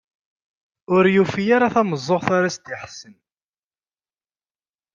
Ur yufi ara tameẓẓuɣt ara as-d-iḥessen.